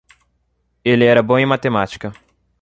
Ele era bom em matemática.